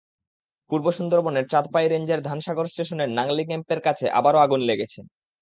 পূর্ব সুন্দরবনের চাঁদপাই রেঞ্জের ধানসাগর স্টেশনের নাংলী ক্যাম্পের কাছে আবারও আগুন লেগেছে।